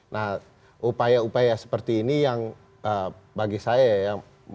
nah upaya upaya seperti ini yang bagi saya ya